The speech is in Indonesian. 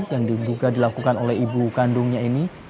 yang diduga dilakukan oleh ibu kandungnya ini